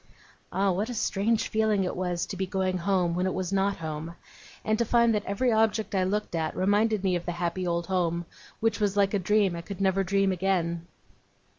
Ah, what a strange feeling it was to be going home when it was not home, and to find that every object I looked at, reminded me of the happy old home, which was like a dream I could never dream again!